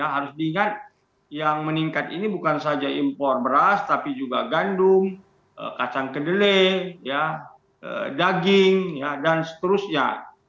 harus diingat yang meningkat ini bukan saja impor beras tapi juga gandum kacang kedelai daging dan seterusnya